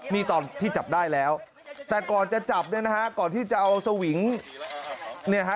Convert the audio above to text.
นี่ตอนที่จับได้แล้วแต่ก่อนจะจับเนี่ยนะฮะก่อนที่จะเอาสวิงเนี่ยฮะ